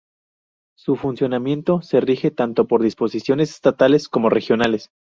Su funcionamiento se rige tanto por disposiciones estatales como regionales.